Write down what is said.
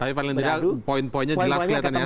tapi paling tidak poin poinnya jelas kelihatan ya